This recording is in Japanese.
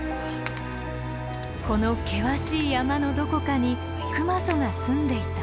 この険しい山のどこかに熊襲が住んでいた。